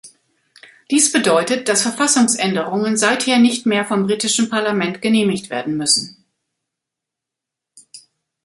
Dies bedeutet, dass Verfassungsänderungen seither nicht mehr vom britischen Parlament genehmigt werden müssen.